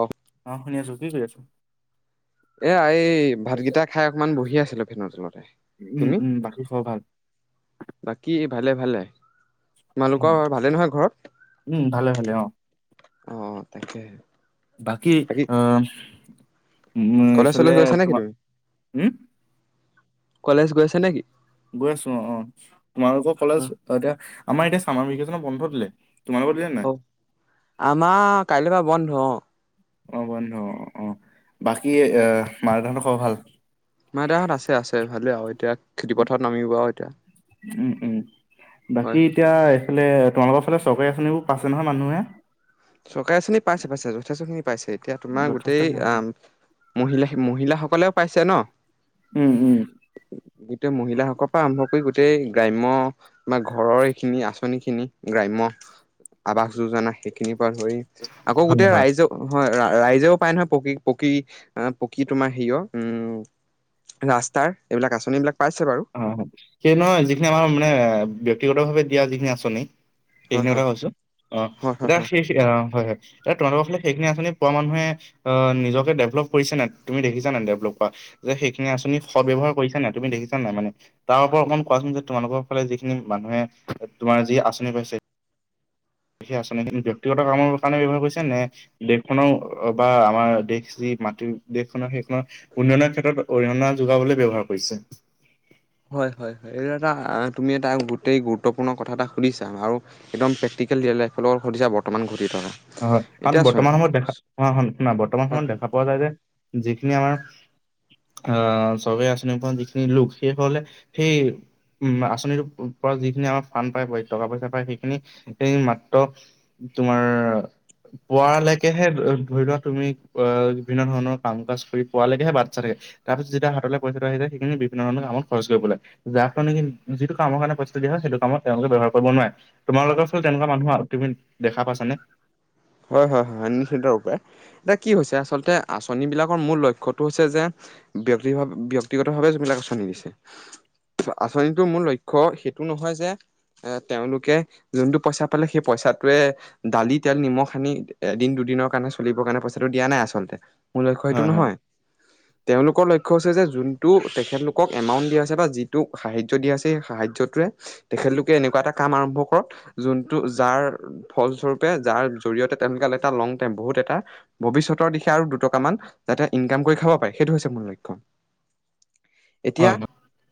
অ'। অ', শুনি আছো কি কৰি আছ? এ এই ভাতকেইটা খাই অকমান বহি আছিলো ফেনৰ তলত উম উম বাকী চব ভাল। বাকী ভালে ভালে। উম তোমালোকৰ ভালে নহয় ঘৰত উম ভালে ভালে অ অ', তাকেহে। বাকী অ' উম কলেজ চলেজ এইফালে গৈছা নেকি তোমাৰ তুমি? উম কলেজ গৈছা নেকি গৈ আছো অ', অ', তোমালোকৰ অ কলেজ আ আহ এতিয়া আমাৰ এতিয়া চামাৰ ভেকেচনৰ বন্ধ দিলে। তোমালোকৰ দিলে নাই অ', আমাৰ কাইলৈ পৰা বন্ধ। অ' বন্ধ অ', অ', বাকী আহ মা দেতাহঁত খবৰ ভাল। মা দেতাহঁত আছে আছে ভালে আৰু এতিয়া খেতি পথাৰত নামিব আৰু এতিয়া। উম উম হয় বাকী হয় এতিয়া এইফালে তোমালোকৰ ফালে চৰকাৰী আঁচনিবোৰ পাছছে নহয় মানুহে? চৰকাৰৰ আঁচনি পাছে পাছে যথেস্থ পাইছে এতিয়া তোমাৰ যথেষ্ট গোটেই আহ মহিলা মহিলাসকলেও পাইছে ন'। উম উম। গোটেই মহিলাসকলৰ পৰা আৰম্ভ কৰি গোটেই গ্ৰাম্য বা ঘৰৰ এইখিনি আছে। খিনা গ্ৰাম্য আবাস যোজনা সেইখিনিৰ পৰা ধৰি আকৌ হয় গোটেই হয় ৰাইজ হয় ৰাইজেও পায় নহয় পকী পকী পকী তোমাৰ হিয় উম ৰাস্তাৰ এইবিলাক আঁচনি বিলাক অ', হয় সেই নহয় যিখিনি আমাৰ মানে ব্যক্তিগত ভাৱে দিয়া যিখিনি আঁচনি। হয় সেইখিনিৰ হয় কথা কৈছো অ', হয় হয় এতিয়া হয় সেই অ', হয় হয়। ত তোমালোকৰ ফালে সেইখিনি আঁচনি পোৱা মানুহে আহ নিজকে ডেভেলপ কৰিছে নাই তুমি দেখিছা নে ডেভেলপ কৰা। যে সেইখিনি আুনি সব্যৱহাৰ কৰিছ নে তুমি দেখি নাই মানে তাৰ ওপৰত অকমান কোৱাচোন যে তোমালোকৰ ফালে যিখিনি মানুহে তোমাৰ যি আঁচনি পাইছে সেই আঁচনি কিন্তু ব্যক্তিগত কামৰ কাৰণে ব্যৱহাৰ কৰিছে নে দেশখনৰ বা আমাৰ দেশ যি মাটিৰ দেশখনৰ সেইখনৰ উন্নয়নৰ ক্ষেত্ৰত অৰিহণা যোগাবলৈ ব্যৱহাৰ কৰিছে হয় হয় হয় এইটো এটা তুমি এটা গোটেই গুৰুত্বপূৰ্ণ কথা এটা সুধিছা আৰু একদম সা ব্ত [unintelligible] হয় হয় কাৰণ বৰ্তমান সময়ত দেখা ন বৰ্তমান হয় সময়ত হয় দেখা পোৱা যায় যে যিখিনি আমাৰ আহ চবে আচনি পৰা যিখিনি লোক সেই হলে সেই উম আঁচনিটোৰ পৰা যিখিনি আমাৰ ফান পায় টকা পইচা পায় সেইখিনি মাত্ৰ তোমাৰ পোৱালৈকেহে ধৰি লোৱা তুমি আহ বিভিন্ন ধৰণৰ কাম কাজ কৰি পোৱালৈকেহে বাট চাই থাকে। তাৰ পিছততিয়া হাতলৈ পইচা আহি য সেইখিনি বিভিন্ন ধৰণৰ কামত খৰচ কৰিব পাই য ফল নে কি যিটো কাম কাৰণে পইচাঞো দিয়া হয় সেইটো কামত তেওঁলোকে ব্যৱহাৰ কৰিব নোৱাৰে, তোমালোকৰ ফচলতে তেনেকুৱা মানুহ তুমি দেখা পাইছানে? হয় হয় হয় হয় নিশ্চিতৰূপে এতিয়া কি হৈছে আচলতে আচন বিলাকৰ মূল লক্ষ্যটো হৈছে যে ব্যক্তিভাৱ ব্যক্তিগত ভাৱে যিবিলাক আঁচনি গৈছে। আঁচনিটো মূল লক্ষ্য সেইটো নহয় যে এ তেওঁলোকে যোনটো পইচা পালে সেই পইচা টোৱে দালি তেল নিমখ। খানি এদিন দুদিনৰ কাৰণে চলিবৰ কাৰণে পইচাটো দিয়া নাই আচলতে। মোৰ লক্ষ্য সেইটো হয় হয় নহয় তেওঁলোকৰ লক্ষ্য হৈছে যে যোনটো তেখেতলোকক এমাউণ্ট দিয়া আছে বা যিটোক সাহায্য দিয়া আছে সেই সাহায্যটোৱে তেখেতলোকে এনেকুৱ এনেকুৱা এটা কাম আৰম্ভ কৰক যোনটো যাৰ ফলস্বৰূপে যাৰ জৰিয়তে এটা লং টাইম বহুত এটা ভৱিষ্যতৰ দিশে আৰু দুটকা মান যাতে ইনকাম কৰি খাব পাৰে সেই সেইটো হৈছে মূল লক্ষ্য [inaudible] এতিয়া, হয়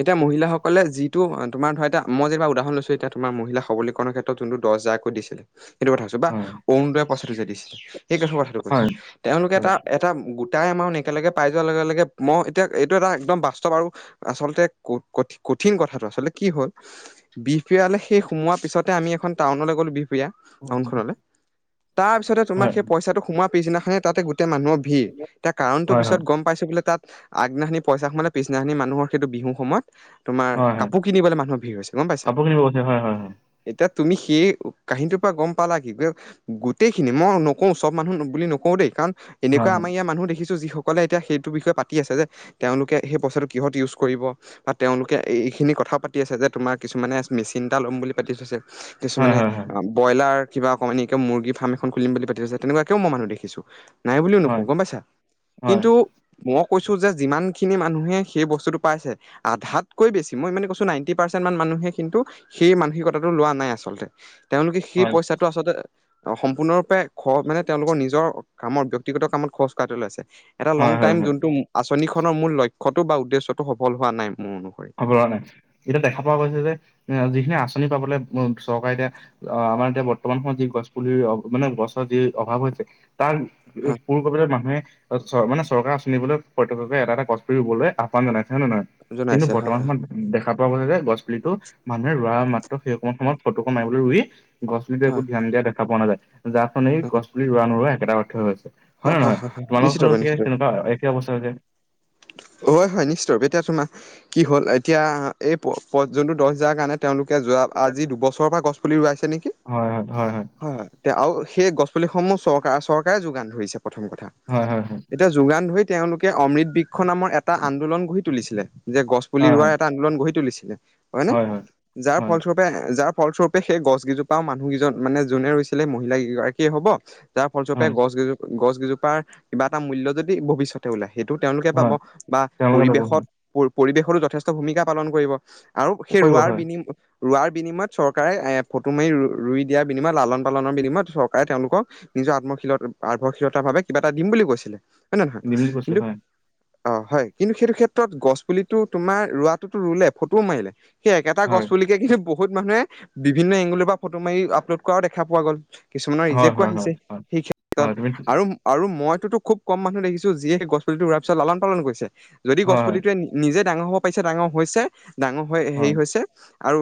এতিয়া মহিলা সক সকলে যিটো তোমাৰ ধৰা এতিয়া মই যেনিবা উদাহৰণ লৈছো এতিয়া তোমাৰ মহিলা সৱলীকৰনৰ ক্ষেত্ৰত যোনটো দছ হাজাৰকৈ দিছিলে। সেইটো কথা কৈছো বা হয় অৰুণদয় পইচাটো যে দিছিলে সেই কথাটো কৈছো হয় তেওঁলোকে এটা হয় এটা গোটা এমাউণ্ট একেলগে পাই যোৱাৰ লগে লগে মই এতিয়া এইটো এটা একদম বাস্তৱ আৰু আচলতে ক-কঠি কঠিন কথাটো আচলতে কি হ'ল বিহ পিৰালে সেই সোমোৱাৰ পিছতে আমি এখন টাউনলৈ গ'লো বি প্ৰিয়া টাউন খনলৈ তাৰ পিছতে তোমাক হয় হয় সেই পইচাটো সোমৱাৰ পিছনাখনে তাতে গো গোটেই মানুহৰ ভিৰ তাৰ কাৰণটো হয় হয় পিছত গম পাইছো বোলে তাত আগদিনাখনি পইচা সোমালে পিছদিনাখনি মানুহৰ সেইটো বিহু সময়ত তোমাৰ হয় হয় কাপোৰ কিনিবলৈ মানুহৰ ভিৰ হৈছে গম পাইছা। কাপোৰ কিনিব গৈছে হয় হয় হয় এতিয়া তুমি সেই কাহিনীটোৰ পৰা গম পালা কি গোটেইখিনি, মই নকওঁ চব মানুহ বুলি নকওঁ দেই, কাৰণ হয়, এনেকুৱা হয়। আমাৰ ইয়াৰ মানু্হো দেখি যিসকলে এতিয়া সেইটোৰ বিষয়ে পাতি আছে যে তেওঁলোকে সেই পইচাটো কিহত ইউজ কৰিব বা তেওঁলোকে এইখিনি কথা পাতি আছে যে তোমাৰ কিছুমানে মেচিন এটা ল'ম বুলি পাতি থৈছে। হয়, কিছুমানে হয়, হয়। অ' ব্ৰইলাৰ কিবা অকমানি কে মুৰ্গী ফাৰ্ম এখন খুলিম বুলি পাতি আছে, তেনেকুৱাকেও মই মানুহ দেখিছো। নাই বুলিও হয়, নকওঁ গম পাইছা? হয়, কিন্তু ম কৈছোঁ যে যিমানখিনি মানুহে সেই বস্তুটো পাইছে আধাতকৈ বেছি মই মানে কৈছো নাইন্তি পাৰ্চেণ্ট মান মানু মানুহে কিন্তু সেই মানসিকতাটো লোৱা নাই আচলতে তেওঁলোকে সেই হয়। পইচাটো আচলতে সম্পূৰ্ণৰূপে খৰ মানে তেওঁলোকৰ নিজৰ কামত ব্যক্তিগত কামত খৰচ কৰাটোয়ে লৈ আছে। এটা লং হয়, হয়, টাইম, হয়। জোনটো আঁচনিখনৰ মূল লক্ষ্যটো বা উদ্দেশ্যটো সফল হোৱা নাই। মোৰ অনুসৰি নাই কিন্তু দেখা পোৱা গৈছে যে যি আঁচনি পাবলে চৰকাৰে এতিয়া আমাৰ এতিয়া বৰ্তমান সময়ত যি গছ পুলি ৰো মানে গছৰ যি অভাৱ হৈছে তাৰ হয় পুৰ কৰিবলে মানুহে মানে চৰকাৰ আঁচনিবলৈ প্ৰত্যেকে এটা এটা গছ পুলি ৰুবলৈ আহ্বান জনাইছে হয় নে নহয়? কিন্তু জনাইছে হয় বৰ্তমান হয় সময়ত দেখা পোৱা গৈছে যে গছ পুলিতো মানুহে ৰোৱা মাত্ৰ সেইকন সময়ত ফটোখন মাৰিবলৈ ৰুই গছ পুলিতো হয় একো ধ্যান দিয়া দেখা পোৱা নাযায় যাৰ ফলত গছ হয় পুলি ৰোৱা নোৰোৱা একেটা অৰ্থ হৈছে। হয় নহয় তোমালোকৰ ফালও চাগে তেনেকুৱা একে অৱস্থা হৈছে। হয় হয় নিশ্চয় এতিয়া তোমাৰ কি হ'ল এতিয়া এই প যোনটো দহ হজাৰ কাৰণে তেওঁলোকে যোৱা আজি দুবছৰৰ পৰা গছ পুলি ৰোৱাইছে নেকি? হয় হয় তেওঁ আৰু সেই গছ পুলিসমূহ চৰকাৰ চৰকাৰে যোগান ধৰিছে প্ৰথম কথা হয় হয় হয় এতিয়া যোগান ধৰি তেওঁলোকে অমৃত বৃক্ষ নামৰ এটা আন্দোলন গঢ়ি তুলিছিলে যে গছ হয় পুলি হয় ৰোৱাৰ এটা আন্দোলন গঢ়ি তুলিছিল। হয় নে যাৰ হয়, ফলস্বৰূপে যা ফলস্বৰূপে সেই গছ কেইজোপাও মানুহকেইজন মানে যোনে ৰৈছিলে মহিলাগৰাকীয়ে হব যাৰ ফলস্বৰূপে হয়, গছ গজ গছ গজোপাৰ কিবা এটা মূল্য যদি ভৱিষ্যতে ওলায় সেইটো তেওঁ পাব হয়, বা তেওঁলোকে পাব পৰিৱেশত হয়, পৰিৱেশতো যথেষ্ট ভূমিকা পালন কৰিব। আৰু সেই কৰিব ৰোৱাৰ হয়, বিনিম ৰোৱাৰ বিনিময়ত চৰকাৰে এ ফটো মাৰি ৰুই দিয়াৰ বিনিময়ত লালন পালনৰ বিনিময়ত চৰকাৰে তেওঁলোকক নিজৰ আত্মশীলত আৰ্ভশীলতা বাবে কিবা এটা দিম বুলি কৈছিলে হয়ে নে নহয়? দিম বুলি কৈছিলে কিন্তু হয়, অ হয় কিন্তু সেইটো ক্ষেত্ৰত গছ পুলিটো তোমাৰ ৰোৱাটোতো ৰুলে ফটোও মাৰিলে। সেই একেটা হয়, গছ পুলিকে কিন্তু বহুত মানুহে বিভিন্ন এংগুলৰ পৰা ফটো মাৰি আপলোড কৰাও দেখা পোৱা গ'ল। কিছুমানৰ হয়, ৰেজেক্ত হয়, হয়, আহিছে হয়, সেই ক্ষেত্ৰত হয়, তুমি ঠিক- আৰু আৰু মই খুব কম মানুহ দেখিছো যিয়ে গছ পুলিটো ৰোৱাৰ পিছত লালন পালন কৰিছে। যদি গছ হয়, হয়, পুলিটোৱে নিজে ডাঙৰ হ'ব পাৰিছে ডাঙৰ হৈছে ডাঙৰ হৈ হেৰি হয়, হৈছে। আৰু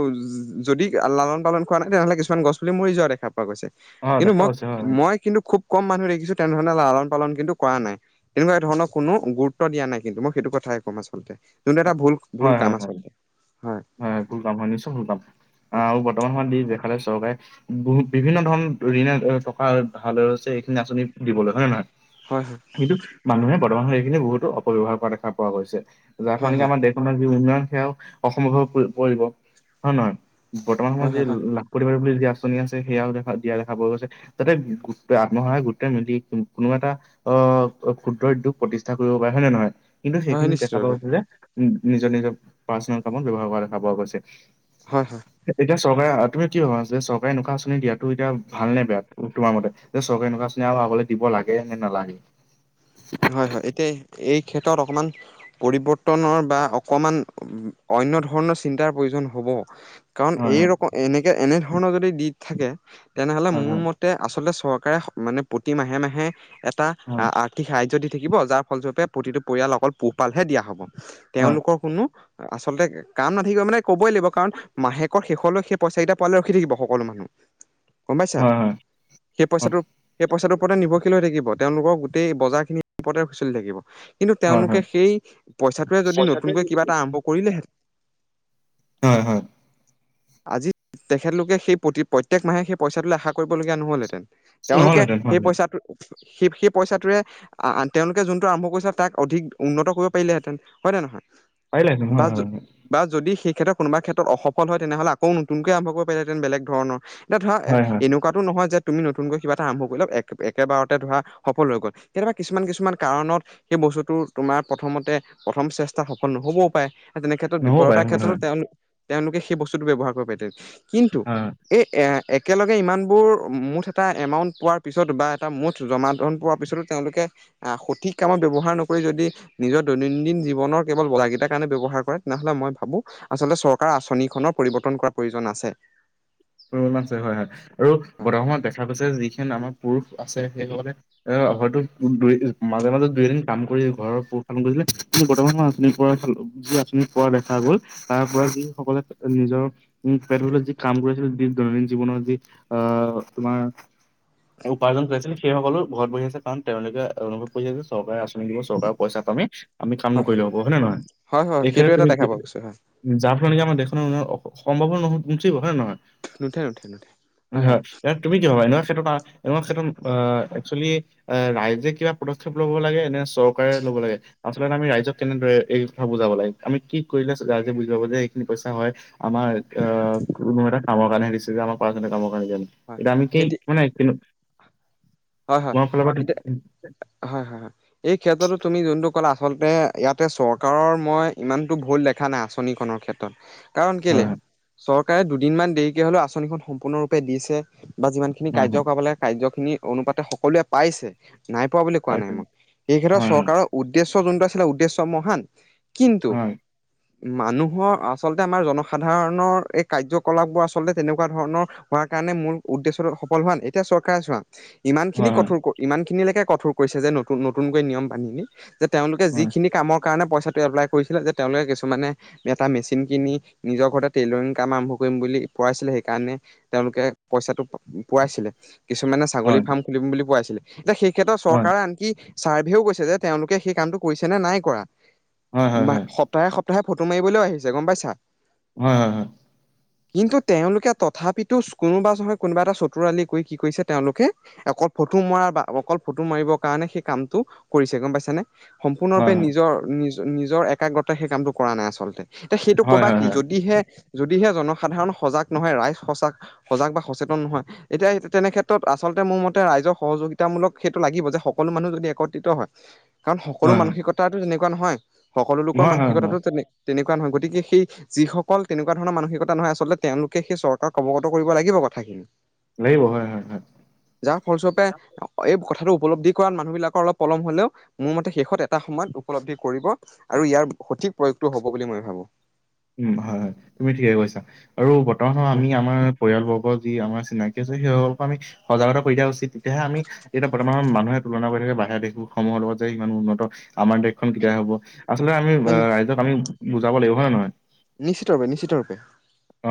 যদি লালন পালন কৰা নাই তেনেহ'লে কিছুমান গছ পুলি মৰি যোৱা দেখা প পোৱা গৈছে হয়, কিন্তু দেখা মই গৈছে হয়, হয়, মই কিন্তু খুব কম মানুহ দেখিছো তেনেধৰণে লালন পালন কিন্তু কৰা নাই তেনেকুৱা ধৰণৰ কোনো গুৰুত্ব দিয়া নাই। কিন্তু মই সেইটো কথাই ক'ম আচলতে যোনটো এটা ভুল হয়, কাম হয়, আচলতে। হয়, হয় ভুল কাম হয়। নিশ্চয় ভুল কাম হয় আহ আৰু বৰ্তমান সময়ত যি দেখালে চৰকাৰে। বিভিন্ন ধৰণৰ ঋণ টকা ধাৰ লৈছে, এইখিনি আঁচনি দিবলৈ হয় নে নহয়। হয় কিন্তু মানুহে বৰ্তমান সময়ত এইখিনি বহুতো অপব্যৱহাৰ কৰা দেখা পোৱা গৈছে। যাৰ হয় কাৰণে কি হয় আমাৰ দেশখনৰ যি উন্নয়ন সেয়াও অসময়ত পৰিব হয় নে নহয়? বৰ্তমান হয় সময়ত যে হয় হয় হয় লাখপতি বাইদেউ বুলি যি আঁচনি আঁচনি আছে সেয়াও দেখা দিয়া দেখা পোৱা গৈছে। যাতে গোট আত্মসহায়ক গোট মিলি কোনো এটা অ', ক্ষুদ্ৰ উদ্যোগ প্ৰতিষ্ঠা কৰিব পাৰে হয় নে নহয়। কিন্তু হয় সেইখিনিত নিশ্চিত দেখা পোৱা ৰূপে গৈছে যে নিজৰ নিজৰ পাৰ্চনেল কামত ব্যৱহাৰ কৰা দেখা পোৱা গৈছে। হয়, হয়। এতিয়া চৰকাৰে তুমি কি ভবা যে চৰকাৰে নোকা আঁচনি দিয়াাতো এতি ভালে বেয়া তোমাৰ মতে যে চৰকাৰে না আঁচননি আৰু [unintelligible] চাবলে দিব লাগে নে নালাগে। হয়, হয় এতিয়া এই ক্ষেত্ৰত অকমান। পৰিৱৰ্তনৰ বা অকমান অন্য ধৰণৰ চিন্তাৰ প্ৰয়োজন হ'ব। কাৰণ হয় এই হয় ৰকম এনেকে, এনে ধৰণৰ যদি দি থাকে। তেনেহ'লে হয় হয়। মোৰ মতে আচলতে চৰকাৰে মানে প্ৰতি মাহে-মাহে এটা। হয়, কি সাহাৰ্য্য দি থাকিব যাৰ ফলস্বৰূপে প্ৰতিটো পৰিয়াল অকল পোহপালহে দিয়া হ'ব, হয়, তেওঁলোকৰ কোনো আচলতে কাম নাথাকিব মানে ক'বই লাগিব কাৰণ মাহেকৰ শেষলৈ সেই পইচা কেইটা পোৱালে ৰখি থাকিব সকলো মানুহ। [inaudible] গম পাইছা হয়, সেই হয়, পইচাটো, সেই পইচাটোৰ ওপৰতে নিৰ্ভৰশীল হৈ থাকিব তেওঁলোকক। গোটেই বজাৰ খিনি ওপতে চলি থাকিব। কিন্তু হয়, তেওঁলোকে হয়। সেই পইচাটোৰে যদি পইচাটোৱে নতুনকৈ যদি কিবা এটা আৰম্ভ কৰিলেহেঁতেন। হয়, হয়। আজি তেখেতলোকে সেই প্ৰতি প্ৰত্যেক মাহে সেই পইচাটোলে আশা কৰিবলগীয়া নহ'লহেঁতেন। তেওঁলোকে নহ'লহেঁতেন হয়, সেই হয়। পইচাটো সেই, সেই পইচাটোৰে তেওঁলোকে যোনটো আৰম্ভ কৰিছিল তাক অধিক উন্নত কৰিব পাৰিলেহেঁতেন, হয়নে নহয়। পাৰিলেহেঁতেন বা, হয়, হয়, হয়, বা যদি সেই। ক্ষেত্ৰত কোনোবা ক্ষেত্ৰত অসফল হয়, তেনেহ'লে আকৌ নতুন কৈ আৰম্ভ কৰিব পাৰিলেহেঁতেন বেলেগ ধৰণৰ। এতিয়া ধৰা হয়, হয়, এনেকুৱাতো নহয় যে, তুমি নতুনকৈ কিবা এটা আৰম্ভ কৰি ল এক একেবাৰতে ধৰা। সফল হৈ গ'ল কেতিয়াবা কিছুমান কিছুমান কাৰণত সেই বস্তুটো তোমাৰ প্ৰথমতে প্ৰথম চেষ্টা সফল নহৈ হ'বও পাৰে, তেনে ক্ষেত্ৰত নহ'ব পাৰে বিফলতাৰ হয়, ক্ষেত্ৰতো হয়, তেওঁ, তেওঁলোকে সেই বস্তুটো ব্যয়ৱহাৰ কৰিব পাৰে। কিন্তু, হয়, হয়। এ-এই। একেলগে ইমানবোৰ মুঠ এটা এমাউণ্ট পোৱাৰ পিছত বা এটা মুঠ জমা ধন। পোৱাৰ পিছতো তেওঁলোকে আহ সঠিক কামত ব্যৱহাৰ নকৰি যদি নিজৰ দৈনন্দিন জীৱনৰ কেৱল বলাকী। কাৰণে ব্যৱহাৰ কৰে। তেনেহলে মই ভাবো আচলতে চৰকাৰৰ আঁচনিখনৰ পৰিৱৰ্তন কৰা প্ৰয়োজন আছে। অহ, হয়, হয় আৰু বৰ্তমান সময়ত দেখা গৈছে যিখিনি আমাৰ পুৰুষ আছে সেইসকলে এ। হয়তো দুই মাজে-মাজে দুই, এদিন কাম কৰি ঘৰৰ পোহ-পালন কৰিছিলে কিন্তু বৰ্তমান সময়ত। যি আঁচনি পোৱা দেখা গ'ল, তাৰ পৰা যি সকলে নিজৰ নিজে যি কাম কৰিছিল। দৈনন্দিন জীৱনৰ যি আহ তোমাৰ। উপাৰ্জন কৰিছিল সেই সকলো ঘৰত বহি আছে। কাৰণ তেওঁলোকে অনুভৱ কৰিছে যে চৰকাৰে আঁচনি। দিব চৰকাৰৰ পইচা পামে, আমি কাম নকৰিলে হ'ব হয় নে নহয়। হয় হয় হয় এই সেইটো ক্ষেত্ৰত এটা তুমি দেখা পোৱা গৈছে হয় যাৰ ফলত নে কি দেশৰ। সম্ভৱো নহয় হয়নে নুঠে নুঠে নুঠে হয় হয় নহয়, তুমি কি ভবা নহয়। ইটো কাৰণে ক্ষেত্ৰত একচুৱেলি এ ৰাইজে কিবা পদক্ষেপ ল'ব লাগে নে চৰকাৰে ল'ব লাগে। আচলতে আমি ৰাইজক কেনেদৰে এই কথা বুজাব লাগে? আমি কি কৰিলে ৰাইজে বুজি পাব যে এইখিনি পইচা হয় আমাৰ অ' কোনো এটা কামৰ কাৰণে হে দিছে যে আমাৰ কামৰ। হয় এতি [unintelligible] হয়, হয় তোমাৰ ফালৰ পৰা হয় এতিয়া হয়, হয়, হয় এই ক্ষেত্ৰতো তুমি যোনটো। কলে আচলতে ইয়াতে চৰকাৰৰ মই ইমানতো ভুল দেখা নাই আঁচনিখনৰ ক্ষেত্ৰত। কাৰণ কেলে, হয় চৰকাৰে দুদিনমান দেৰিকে হলেও আঁচনিখন সম্পূৰ্ণৰূপে দিছে। বা যিমান খিনি হয় কাৰ্য হয়। কৰাব লাগে কাৰ্য খিনি অনুপাতে সকলোৱে পাইছে। নাই পোৱা বুলি কোৱা নাই মই, এই ক্ষেত্ৰত চৰকাৰৰ উদ্দেশ্য যোনটো আছিলে উদ্দেশ্য মহান। কিন্ত মানুহৰ আচলতে আমাৰ জনসাধাৰণৰ এই কাৰ্যকলাপ বোৰ আচলতে তেনেকুৱা ধৰণৰ হ কাৰণে মোৰ উদ্দেশ্যটো সফল হোৱা ন এতিয়া চৰকাৰে চোৱা ইমান খিনি কঠোৰ ইমান খিনিলৈকে কঠোৰ কৰিছে যে নতুন নতুনকৈ নিয়ম বান্ধি নি যে তেওঁলোকে যিখিনি কামক কাৰণে পইচাটো এপ্লাই কৰিছিলে যে তেওঁলোকে কিছুমানে এটা মেচিন কিনি নিজৰ ঘৰতে টেইলৰিং কাম আৰম্ভ কৰি কৰিম বুলি কৰাইছিলে সেই কাৰণে তেওঁলোকে পইচাটো পোৱাইছিলে কিছুমান ছাগলী ফাৰ্ম খুলিম বুলি কোৱা হৈছিলে এতিয়া সেই ক্ষেত্ৰত চৰকাৰে আনকি চাৰ্ভেও কৈছে যে তেওঁলোকে সেই কামটো কৰিছে নে নাই কৰা বা সপ্তাহে সপ প্ৰাই ফটো মাৰিবলৈও আহিছে গম পাইছা। উম, হ। কিন্তু তেওঁলোকে তথাপিতো কোনোবা নহয় কোনোবা এটা চতুৰালি কৰি কি কৰিছে তেওঁলোক কে অকল ফটো মৰাৰ বা অকল ফটো মাৰিবৰ কাৰণে সেই কামটো কৰিছে গম পাইছে নে। সম্পূৰ্ণৰূপে নিজৰ নিজ নিজৰ একাগ্ৰতা সেই কামটো কৰা নাই আচলতে। এতিয়া সেইটো কবা কি যদিহে যদিহে জনসাধাৰণ সজাগ নহয় ৰাইজ সচাগ সজাগ বা সচেতন নহয় এতিয়া তেনেক্ষেত্ৰত আচলতে মোৰ মতে ৰাইজৰ সহযোগিতামূলক সেইটো লাগিব, যে সকলো মানুহ যদি একত্ৰিত হয়। কাৰণ সকলো মানসিকতাতো তেনেকুৱা নহয় সকলো লোকৰ মানসিকতাতো তেনে তেনেকুৱা নহয়, গতিকে সেই যিসকল তেনেকুৱা ধৰণৰ মানসিকতা নহয়, আচলতে তেওঁলোকে সেই চৰকাৰক অৱগত কৰিব লাগিব। কথাখিনি। লাগিব হয় হয় হয়। যাৰ ফলস্বৰূপে এই কথাটো উপলব্ধি কৰা মানুহবিলাকৰ অলপ পলম হ'লেও মোৰ মতে শেষত এটা সময়ত উপলব্ধি কৰিব আৰু ইয়াৰ স ঠিক প্ৰয়োগটো হ'ব বুলি মই ভাবোঁ। উম, হয় হয় তুমি ঠিকে কৈছা আৰু বৰ্তমান সময় আমি আমাৰ পৰিয়ালবৰ্গৰ যি আমাৰ চিনাকি আছে সেই সকলো আমি সজাগতা কৰি দিয়া উচিত, তেতিয়াহে আমি এতিয়া বৰ্তমান মানুহে তুলনা কৰি থাকে বাহিৰা দেশ বোৰ সমূহৰ লগত যে সিমান উন্নত আমাৰ দেশখন কেতিয়া হব। আচলতে আমি ৰাইজক আমি বুজাব লাগিব হয় নে নহয়। নিশ্চিত বাবে নিশ্চিত বাবে। অ,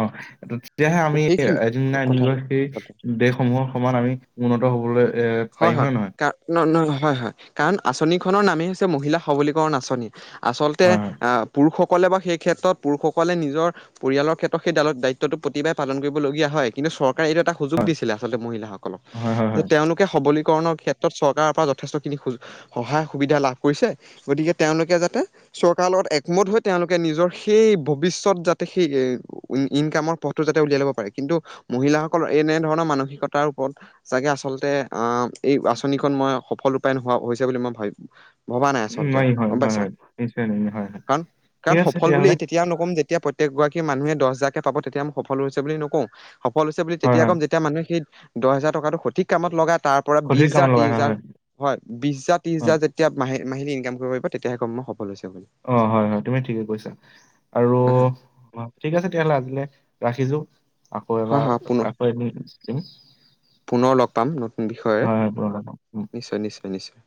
তেতিয়াহে আমি এদিননা এদিন কথা গৈ সেই আচলতে। দেশসমূহ সমান আমি উন্নত হবলৈ এ হয়, পাৰিম হয়, নহয়? কাৰ ন ন নহয়। হয় হয়। কাৰণ আঁচনিখনৰ নামেই হৈছে, মহিলা সবলীকৰণ আঁচনি আচলতে হয়, আ' পুৰুষক কলে বাৰু সেই ক্ষেত্ৰত পুৰুষসকলে নিজৰ পৰিয়ালৰ ক্ষেত্ৰত সেই দালক দায়িত্বটো প্ৰতিবাৰে পালন কৰিব লগীয়া হয় কিন্তু চৰ টো এটা সুযোগ দিছিলে আচলতে মহিলাসকলক হয়, হয়, হয়, যে হয়, তেওঁলোক সবলীকৰণৰ ক্ষেত্ৰত চৰকাৰৰ পৰা যথেষ্টখিনি সুযোগ সহায় সুবিধা লাভ কৰিছে গতিকে তেওঁলোকে যাতে চৰকাৰৰ লগত একমোটহৈ তেওঁলোকে নিজৰ সেই ভবিশ্যত যাতে সেই ইনকাম মৰ পথটো যাতে উলিয়াই লব পাৰে, কিন্তু মহিলাসকল এনে ধৰণৰ মানসিকতাৰ ওপৰত চাগে আচলতে আ' এই আঁচনিখন মই সফল ৰূপায়ণ হোৱা হৈছে বুলি মই ভাবিম। ভবা নাই আচলতে নোৱাৰিম হয়, গম হয়, পাইছা হয়, নিশ্চয় নোৱাৰিম হয়, হয়, কাৰণ, কাৰণ ঠিক আছে সফল বুলি তেতিয়াহ'লে তেতিয়া নকম যে তেতিয়া প্ৰত্যক গৰাকী মানুহে দছ হাজাৰকে পাব, তেতিয়া মই সফল হৈছে বুলি নকওঁ। সফল হৈছে বুলি হয়, তেতিয়া হয়, ক'ম, যেতিয়া মানুহে সেই দহ হাজাৰ টকাটো সঠিক কামত লগায়। তাৰ পৰা বিশ সঠিক হাজাৰ, কামত ত্ৰিশ লগাই হয়, হাজাৰ হয়, হয় বিশ হাজাৰ ত্ৰিশ হয়, হাজাৰ যেতিয়া মাহে- মাহিলী ইনকাম কৰিব পাৰিব তেতিয়া কম মই সফল হৈছে। বুলি। অ' হয় হয় তুমি ঠিকে কৈছা আৰু ঠিক আছে তেতিয়াহলে আজিলে ৰাখিছো। আকৌ হয় এবাৰ হয় পুনৰ আকো এদিন। পুনৰ লগ পাম নতুন হয়, পুনৰ লগ পাম। উম। বিষয়েৰে নিশ্চয়, নিশ্চয়, নিশ্চয়।